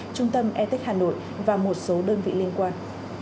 trung tâm etec hà nội và một số đơn vị liên quan